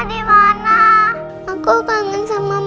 ini tidak bisa